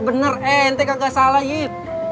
bener ente kak gak salah yit